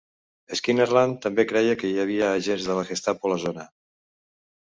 Skinnarland també creia que hi havia agents de la Gestapo a la zona.